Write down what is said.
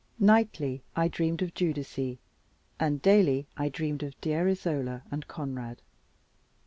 Nightly I dreamed of Giudice, and daily I dreamed of dear Isola and Conrad.